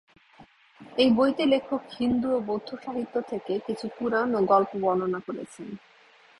এই বইতে লেখক হিন্দু ও বৌদ্ধ সাহিত্য থেকে কিছু পুরাণ ও গল্প বর্ণনা করেছেন।